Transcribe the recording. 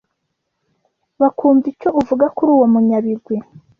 bakumva icyo uvuga kuri uwo munyabigwi